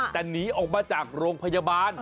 แต่หนีออกมาจากโรงพยาบาล